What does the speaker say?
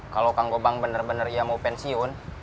kalau kang gobang bener bener ya mau pensiun